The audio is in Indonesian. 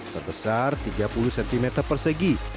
sebesar tiga puluh cm persegi